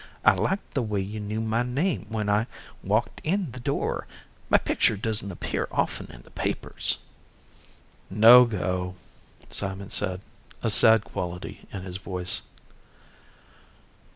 I liked the way you knew my name when I walked in the door; my picture doesn't appear often in the papers." "No go," Simon said, a sad quality in his voice.